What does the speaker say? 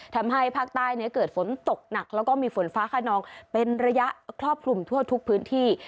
ทำให้ภาคใต้เกิดฝนตกหนักแล้วก็มีฝนฟ้าขนองเป็นระยะครอบคลุมทั่วทุกพื้นที่